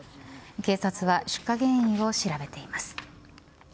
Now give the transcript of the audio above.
警察は出火原因を調べています。